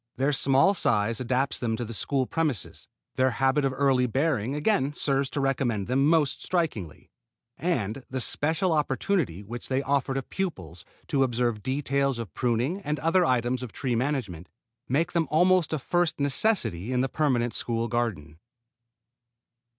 Their small size adapts them to the school premises, their habit of early bearing again serves to recommend them most strikingly, and the special opportunity which they offer to pupils to observe details of pruning and other items of tree management, make them almost a first necessity in the permanent school garden.